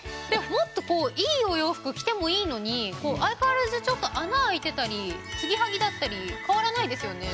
もっとこういいお洋服着てもいいのに相変わらずちょっと穴開いてたり継ぎはぎだったり変わらないですよね。